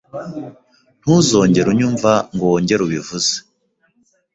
Ntuzigere unyumva ngo wongere ubivuze.